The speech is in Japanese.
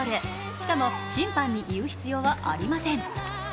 しかも審判に言う必要はありません。